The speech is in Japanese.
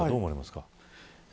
どう思われますか。